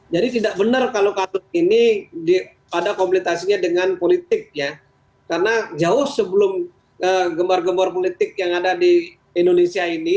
jadi tidak benar kalau kasus ini pada kompletasinya dengan politik ya karena jauh sebelum gemar gemar politik yang ada di indonesia ini